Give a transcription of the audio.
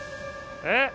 えっ？